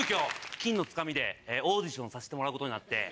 『金のツカミ』でオーディションさせてもらうことになって。